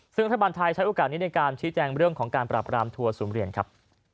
ซึ่งรัฐบาลไทยใช้โอกาสนี้ในการชี้แจงเรื่องของการปรับรามทัวร์ศูนย์เหรียญครับ